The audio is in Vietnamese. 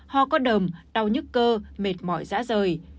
ho có đờm đau nhức cơ mệt mỏi giã rời